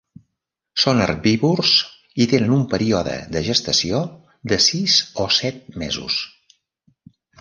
Són herbívors i tenen un període de gestació de sis o set mesos.